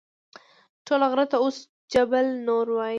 ټول غره ته اوس جبل نور وایي.